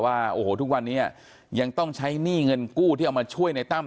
ว่าโอ้โหทุกวันนี้ยังต้องใช้หนี้เงินกู้ที่เอามาช่วยในตั้ม